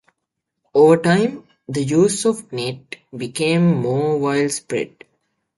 Over time, the use of kente became more widespread.